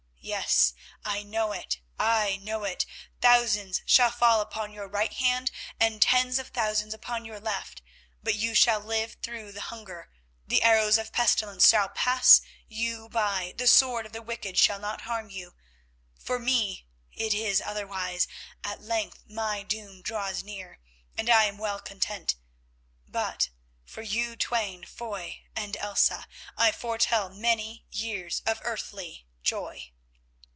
Yes, I know it, I know it; thousands shall fall upon your right hand and tens of thousands upon your left, but you shall live through the hunger; the arrows of pestilence shall pass you by, the sword of the wicked shall not harm you. For me it is otherwise, at length my doom draws near and I am well content; but for you twain, Foy and Elsa, I foretell many years of earthly joy."